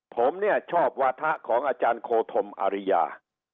ผมเนี่ยชอบวาทะของอโคธมอริยา